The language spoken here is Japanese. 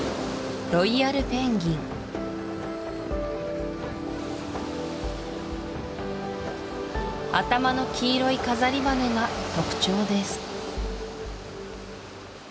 ロイヤルペンギン頭の黄色い飾り羽が特徴です